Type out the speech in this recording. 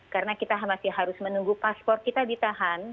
karena kita masih harus menunggu paspor kita ditahan